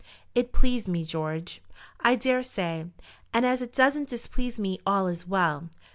"It pleased me, George." "I dare say, and as it doesn't displease me all is well.